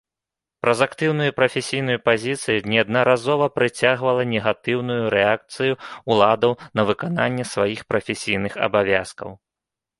Праз актыўную прафесійную пазіцыю неаднаразова прыцягвала негатыўную рэакцыю ўладаў на выкананне сваіх прафесійных абавязкаў.